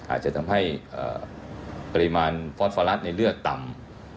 อาจจะทำให้ปริมาณฟอสฟารัสในเลือดต่ำ